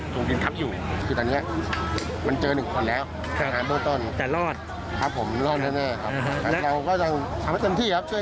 แล้วเราก็จะถามที่ครับเชื่ออยู่ตรงที่อยู่แล้วทุกคน